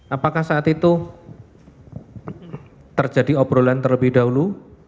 apakah saat itu terjadi obrolan terlebih dahulu